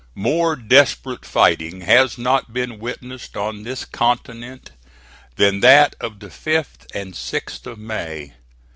More desperate fighting has not been witnessed on this continent than that of the 5th and 6th of May.